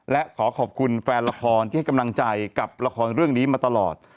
และขอขอบคุณแฟนละครที่ให้กำลังใจกับละครเรื่องนี้มาตลอด